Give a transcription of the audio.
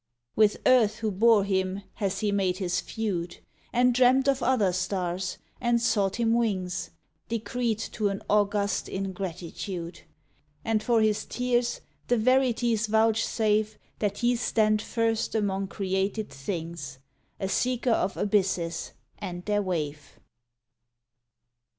With earth who bore him has he made his feud, And dreamt of other stars, and sought him wings, Decreed to an august ingratitude; And for his tears the Verities vouchsafe That he stand first among created things A seeker of abysses, and their waif!